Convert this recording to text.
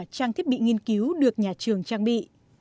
trang thiết bị nghiên cứu được nhà trường trang bị